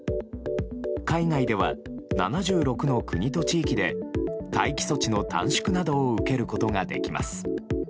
海外では７６の国と地域で待機措置の短縮などを受けることができます。